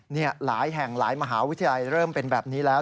นี่หลายแห่งหลายมหาวิทยาลัยเริ่มเป็นแบบนี้แล้ว